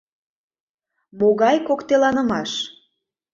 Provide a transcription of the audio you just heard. Могай коктеланымаш!